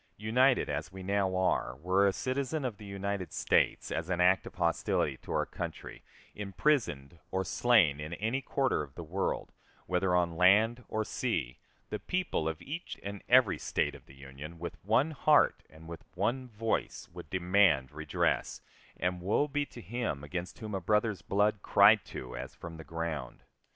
United as we now are, were a citizen of the United States, as an act of hostility to our country, imprisoned or slain in any quarter of the world, whether on land or sea, the people of each and every State of the Union, with one heart and with one voice, would demand redress, and woe be to him against whom a brother's blood cried to as from the ground!